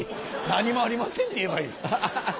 「何もありません」って言えばいい。